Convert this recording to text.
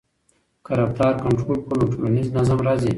که رفتار کنټرول کړو نو ټولنیز نظم راځي.